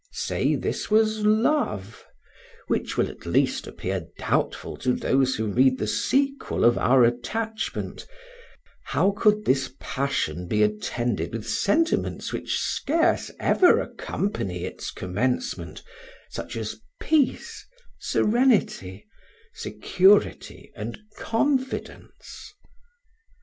Say this was love (which will at least appear doubtful to those who read the sequel of our attachment) how could this passion be attended with sentiments which scarce ever accompany its commencement, such as peace, serenity, security, and confidence.